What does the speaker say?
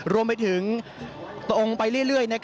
รวมไปถึงตรงไปเรื่อย